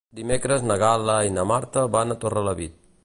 Dimecres na Gal·la i na Marta van a Torrelavit.